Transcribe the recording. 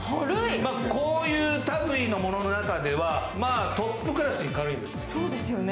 こういうたぐいのものの中ではトップクラスに軽いんです。